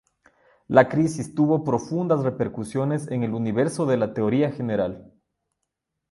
La crisis tuvo profundas repercusiones en el universo de la teoría general.